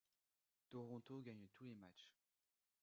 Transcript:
Toronto gagne tous les matchs.